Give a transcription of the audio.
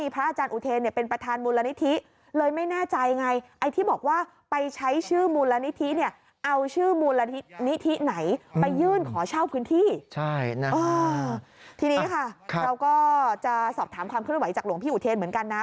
ทีนี้ค่ะเราก็จะสอบถามความเคลื่อนไหวจากหลวงพี่อุเทนเหมือนกันนะ